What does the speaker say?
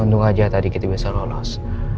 untung aja tadi kita bisa lolos